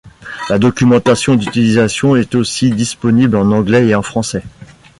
La documentation d'utilisation est aussi disponible en anglais et en français.